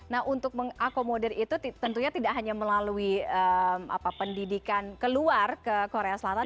nah untuk mengakomodir itu tentunya tidak hanya melalui pendidikan keluar ke korea selatan